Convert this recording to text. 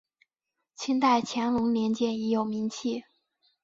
清代乾隆年间已有名气。